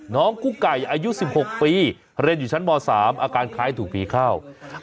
กุ๊กไก่อายุ๑๖ปีเรียนอยู่ชั้นม๓อาการคล้ายถูกผีเข้า